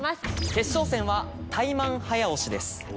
決勝戦はタイマン早押しです。